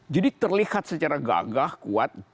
jadi terlihat secara gagah kuat